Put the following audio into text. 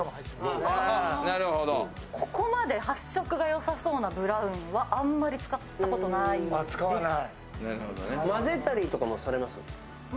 ここまで発色がよさそうなブラウンはあんまり使ったことないです。